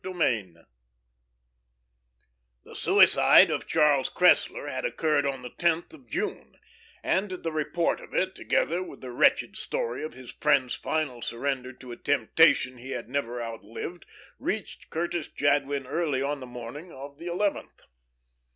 X The suicide of Charles Cressler had occurred on the tenth of June, and the report of it, together with the wretched story of his friend's final surrender to a temptation he had never outlived, reached Curtis Jadwin early on the morning of the eleventh.